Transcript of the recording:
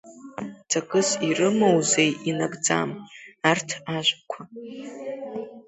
Ҵакыс ирымоузеи инагӡам, арҭ ажәақәа?